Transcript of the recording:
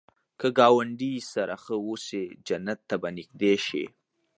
که ګاونډي سره ښه اوسې، جنت ته به نږدې شې